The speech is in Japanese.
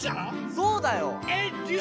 そうだよ。